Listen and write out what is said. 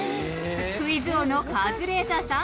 クイズ王のカズレーザーさん